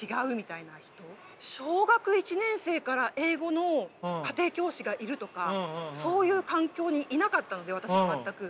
小学１年生から英語の家庭教師がいるとかそういう環境にいなかったので私は全く。